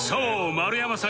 丸山さん